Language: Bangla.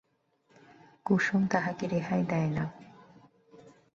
কুসুম তাহাকে রেহাই দেয় না।